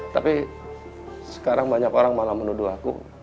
tapi sekarang banyak orang malah menuduh aku